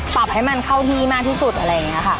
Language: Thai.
ปรับให้มันเข้าที่มากที่สุดอะไรอย่างนี้ค่ะ